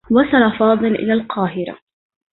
وصل فاضل إلى القاهرة.